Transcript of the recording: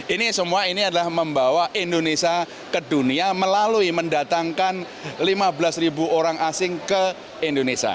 ini semua ini adalah membawa indonesia ke dunia melalui mendatangkan lima belas ribu orang asing ke indonesia